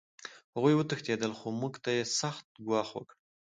هغوی وتښتېدل خو موږ ته یې سخت ګواښ وکړ